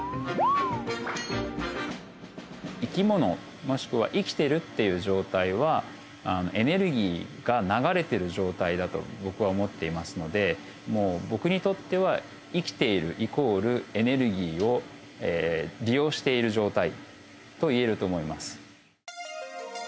生き物もしくは生きてるっていう状態はエネルギーが流れてる状態だと僕は思っていますのでもう僕にとっては生きているイコールエネルギーを利用している状態といえると思います。